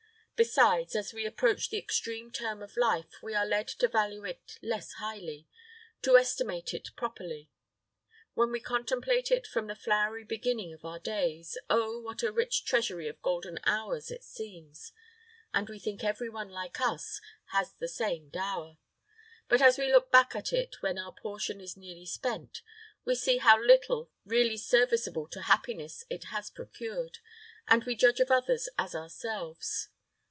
Besides, as we approach the extreme term of life, we are led to value it less highly to estimate it properly. When we contemplate it from the flowery beginning of our days, oh, what a rich treasury of golden hours it seems! and we think every one like us has the same dower. But as we look back at it when our portion is nearly spent, we see how little really serviceable to happiness it has procured, and we judge of others as ourselves.